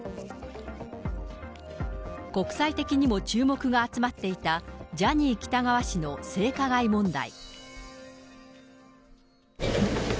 国際的にも注目が集まっていたジャニー喜多川氏の性加害問題。